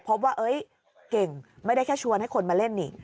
พบว่าเก่งไม่ได้แค่ชวนให้คนมาเล่นนี่